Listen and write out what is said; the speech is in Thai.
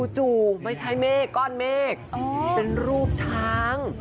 จู่ไม่ใช่เมฆก้อนเมฆเป็นรูปช้าง